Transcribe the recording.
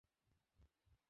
আমি তো এখনো বিয়েই করিনি।